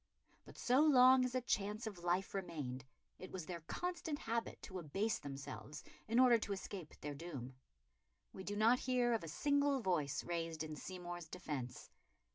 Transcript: But so long as a chance of life remained, it was their constant habit to abase themselves in order to escape their doom. We do not hear of a single voice raised in Seymour's defence.